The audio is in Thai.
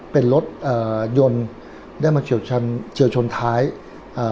เป็นรถอ่ายนต์ได้มาเฉลชนเฉลชนท้ายอ่า